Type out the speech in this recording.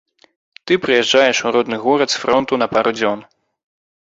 Ты прыязджаеш у родны горад з фронту на пару дзён.